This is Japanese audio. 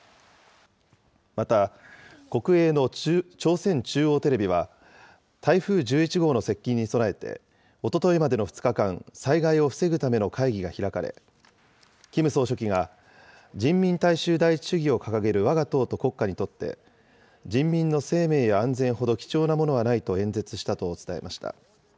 また、国営の朝鮮中央テレビは、台風１１号の接近に備えて、おとといまでの２日間、災害を防ぐための会議が開かれ、キム総書記が人民大衆第一主義を掲げるわが党と国家にとって、人民の生命や安全ほど貴重なものはないと演説したと伝えました。